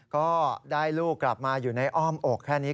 ก็ได้ลูกกลับมาอยู่ในอ้อมอกแค่นี้